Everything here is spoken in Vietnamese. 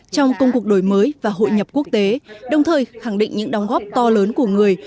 trong công cuộc đổi mới và hội nhập quốc tế đồng thời khẳng định những đóng góp to lớn của người